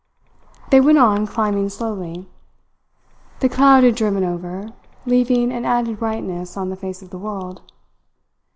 They went on climbing slowly. The cloud had driven over, leaving an added brightness on the face of the world.